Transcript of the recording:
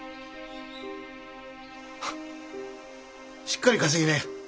しっかり稼ぎなよ。